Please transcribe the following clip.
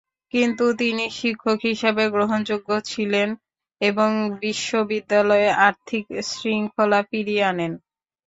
কিন্তু তিনি শিক্ষক হিসেবে গ্রহণযোগ্য ছিলেন এবং বিশ্ববিদ্যালয়ে আর্থিক শৃঙ্খলা ফিরিয়ে আনেন।